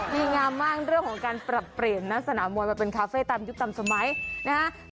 ดีงามมากเรื่องของการปรับเปลี่ยนนักสนามมวยมาเป็นคาเฟ่ตามยุคตามสมัยนะฮะ